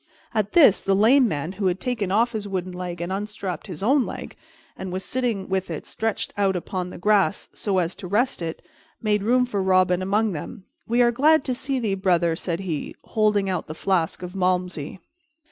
At this, the lame man, who had taken off his wooden leg and unstrapped his own leg, and was sitting with it stretched out upon the grass so as to rest it, made room for Robin among them. "We are glad to see thee, brother," said he, holding out the flask of Malmsey.